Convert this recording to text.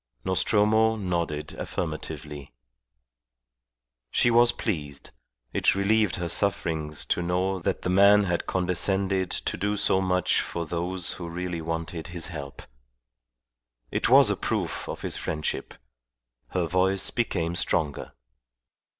Nostromo nodded affirmatively. She was pleased: it relieved her sufferings to know that the man had condescended to do so much for those who really wanted his help. It was a proof of his friendship. Her voice become stronger.